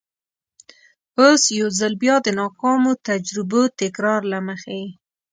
اوس یو ځل بیا د ناکامو تجربو تکرار له مخې.